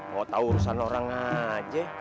mau tahu urusan orang aja